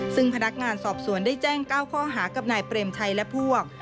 ซึ่งพนักงานสอบสวนได้แจ้ง๙ข้อหากับนายเปรมชัยและพวก